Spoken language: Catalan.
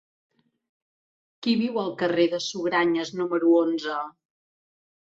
Qui viu al carrer de Sugranyes número onze?